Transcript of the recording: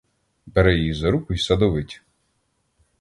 Бере її за руку й садовить.